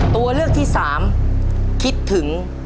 ตัวเลือกที่สามคิดถึง